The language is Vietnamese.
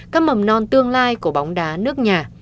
các mầm non tương lai của bóng đá nước nhà